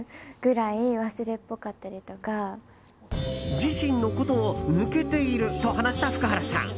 自身のことを抜けていると話した福原さん。